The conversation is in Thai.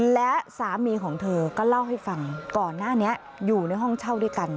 และสามีของเธอก็เล่าให้ฟังก่อนหน้านี้อยู่ในห้องเช่าด้วยกัน